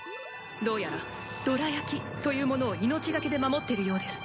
どうやら「どら焼き」というものを命がけで守ってるようです。